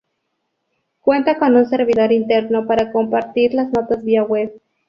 Cuenta con un servidor interno para compartir las notas vía web.